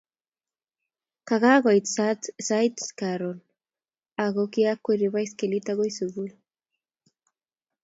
kakakoit sait karon ako kiakweri baskilit agoi sugul